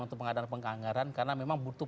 untuk pengadaan penganggaran karena memang butuh